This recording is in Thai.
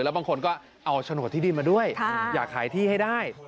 บางคนก็เอาโฉนดที่ดินมาด้วยอยากขายที่ให้ได้